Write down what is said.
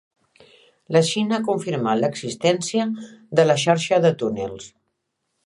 La Xina ha confirmat l'existència de la xarxa de túnels.